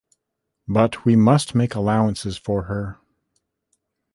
But we must make allowances for her.